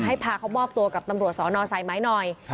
ให้พาเขามอบตัวกับตำรวจสอนอสายไม้หน่อย